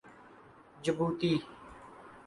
Djibouti